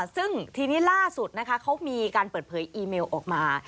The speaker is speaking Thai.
ซึ่งทีนี้ล่าสุดนะคะเขามีการเปิดเผยอีเมลออกมา